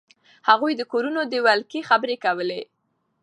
هغوی د کورونو د ولکې خبرې کولې.